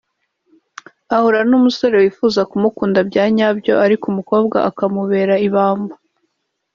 ahura n’umusore wifuza kumukunda bya nyabyo ariko umukobwa akammubera ibamba